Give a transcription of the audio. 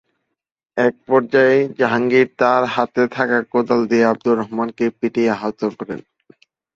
একপর্যায়ে জাহাঙ্গীর তাঁর হাতে থাকা কোদাল দিয়ে আবদুর রহমানকে পিটিয়ে আহত করেন।